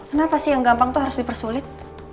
kenapa sih yang gampang itu harus dipersulit